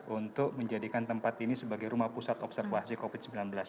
untuk menjadikan tempat ini sebagai rumah pusat observasi covid sembilan belas